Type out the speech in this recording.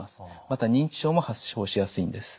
また認知症も発症しやすいんです。